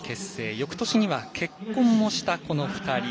よくとしには結婚もしたこの２人。